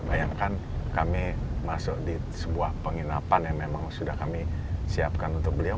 bayangkan kami masuk di sebuah penginapan yang memang sudah kami siapkan untuk beliau